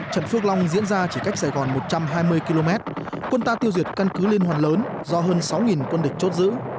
trận phước long diễn ra chỉ cách sài gòn một trăm hai mươi km quân ta tiêu diệt căn cứ liên hoàn lớn do hơn sáu quân địch chốt giữ